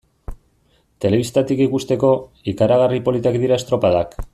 Telebistatik ikusteko, ikaragarri politak dira estropadak.